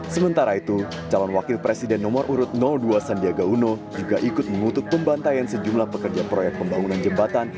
sementara itu calon wakil presiden nomor urut dua sandiaga uno juga ikut mengutuk pembantaian sejumlah pekerja proyek pembangunan jembatan